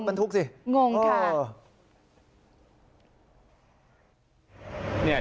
รถมันทุกข์สิงงค่ะ